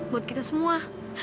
buat kita semua